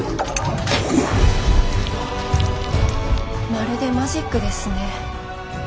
まるでマジックですね。